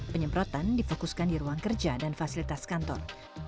penyemprotan difokuskan di ruang kerja dan fasilitas kantor